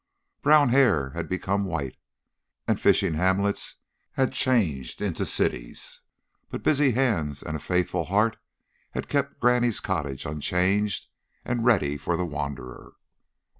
Brown hair had become white, and fishing hamlets had changed into cities, but busy hands and a faithful heart had kept granny's cottage unchanged and ready for the wanderer.